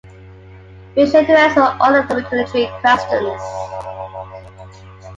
Make sure to answer all the obligatory questions.